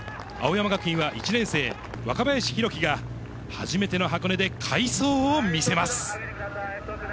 青山学院は１年生、若林宏樹が、初めての箱根で快走を見せます。